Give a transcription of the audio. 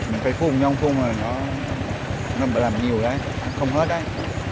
mình phải phung nhông phung rồi nó làm nhiều đấy không hết đấy